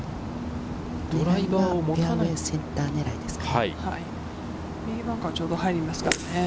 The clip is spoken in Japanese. フェアウエー、センター狙いですかね。